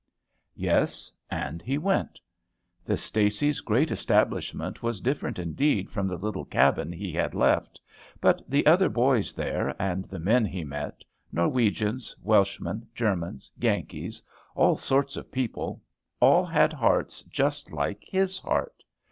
Yes, and he went. The Stacys' great establishment was different indeed from the little cabin he had left. But the other boys there, and the men he met, Norwegians, Welshmen, Germans, Yankees, all sorts of people, all had hearts just like his heart.